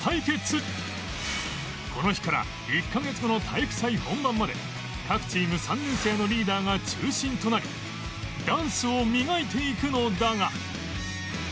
この日から１カ月後の体育祭本番まで各チーム３年生のリーダーが中心となりダンスを磨いていくのだが